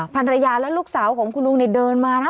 ภรรยาและลูกสาวของคุณลุงเนี่ยเดินมานะ